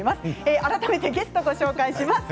改めてゲストをご紹介します。